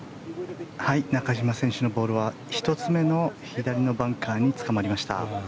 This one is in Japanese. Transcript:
中島選手のボールは１つ目の左のバンカーにつかまりました。